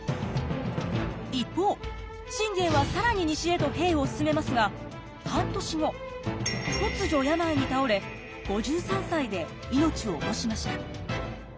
一方信玄は更に西へと兵を進めますが半年後突如病に倒れ５３歳で命を落としました。